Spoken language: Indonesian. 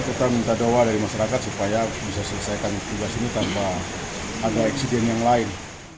kita minta doa dari masyarakat supaya bisa selesaikan tugas ini tanpa ada insiden yang lain